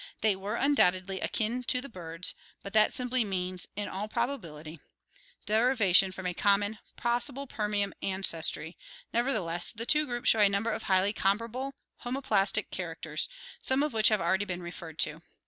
They were undoubt edly akin to the birds, but that simply means, in all probability, 360 ORGANIC EVOLUTION derivation from a common, possibly Permian ancestry; neverthe less the two groups show a number of highly comparable, homo plastic characters, some of which have already been referred to.